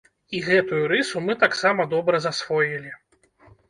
І гэтую рысу мы таксама добра засвоілі.